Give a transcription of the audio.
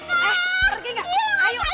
eh pergi gak ayo